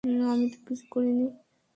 আমি তো কিছু করিনি!